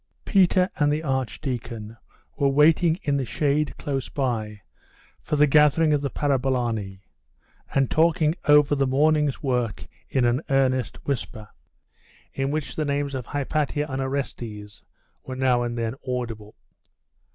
Peter and the archdeacon were waiting in the shade close by for the gathering of the parabolani, and talking over the morning's work in an earnest whisper, in which the names of Hypatia and Orestes were now and then audible.